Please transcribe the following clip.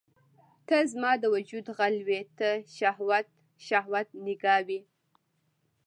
ته زما د وجود غل وې ته شهوت، شهوت نګاه وي